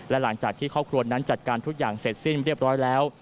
และหลังจากที่ครอบครัวนั้นจัดการทุกอย่างเสร็จสิ้นเรียบร้อยแล้ว